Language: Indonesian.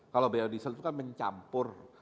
kalau biodiesel itu kan mencampur